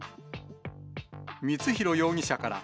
光弘容疑者から、